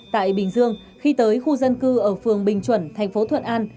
tại bình dương khi tới khu dân cư ở phường bình chuẩn thành phố thuận an